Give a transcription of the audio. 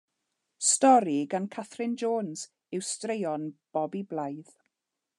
Stori gan Catherine Jones yw Straeon Bobi Blaidd.